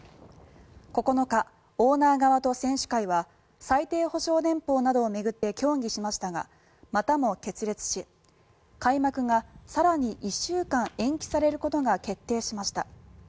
９日、オーナー側と選手会は最低保証年俸などを巡って協議しましたがまたも決裂し、開幕が更に１週間延期されることが決定しました。